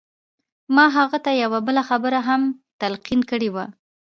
ما هغه ته يوه بله خبره هم تلقين کړې وه.